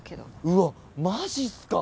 うわマジっすか？